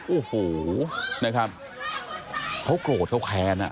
โอ้โหนะครับเขาโกรธเขาแค้นอ่ะ